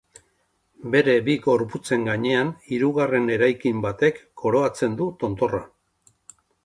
Bere bi gorputzen gainean, hirugarren eraikin batek koroatzen du tontorra.